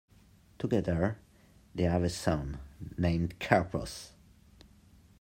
Together, they have a son, named Karpos.